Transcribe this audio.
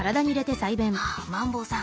あマンボウさん